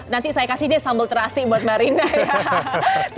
nanti saya kasih deh sambal terasi buat mbak rinda ya